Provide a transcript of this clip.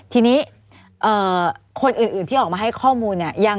ทีนี้คนอื่นที่ออกมาให้ข้อมูลเนี่ย